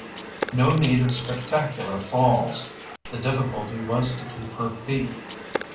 No need of spectacular "falls." The difficulty was to keep her feet.